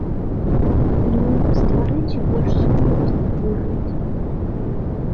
Ну, стварыце больш сур'ёзны выгляд.